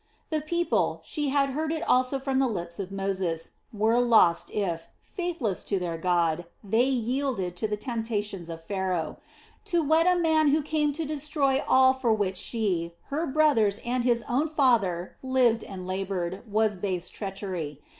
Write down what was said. The people she had heard it also from the lips of Moses were lost if, faithless to their God, they yielded to the temptations of Pharaoh. To wed a man who came to destroy all for which she, her brothers, and his own father lived and labored, was base treachery.